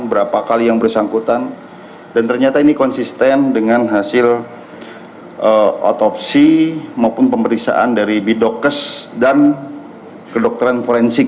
berapa kali yang bersangkutan dan ternyata ini konsisten dengan hasil otopsi maupun pemeriksaan dari bidokes dan kedokteran forensik